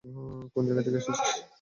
কোন জায়াগা থেকে এসেছিস?